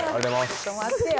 ちょっと待ってよ